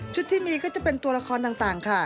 ที่มีก็จะเป็นตัวละครต่างค่ะ